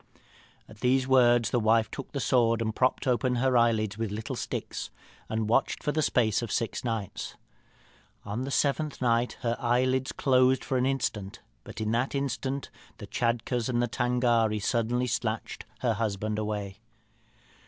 "At these words the wife took the sword, propped open her eyelids with little sticks, and watched for the space of six nights. On the seventh night her eyelids closed for an instant, but in that instant the Tschadkurrs and Tângâri suddenly snatched her husband away.